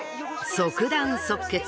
即断即決